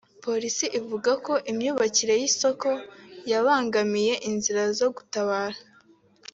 polisi ivuga ko imyubakire y’isoko yabangamiye inzira zo gutabara